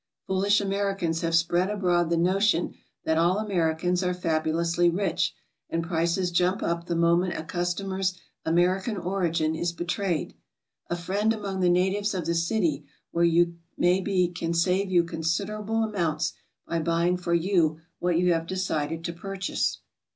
Foolish Americans have spread abroad the notion that all Americans are fabulously rich, and prices jump up the moment a customer's American origin is be trayed. A friend among the natives of the city where you may be can save you considerable amounts by buying for you what you have decided to purchase.